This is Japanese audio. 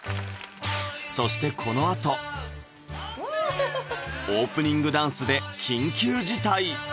そしてこのあとオープニングダンスで緊急事態！